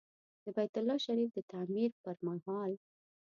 د بیت الله شریف د تعمیر پر مهال.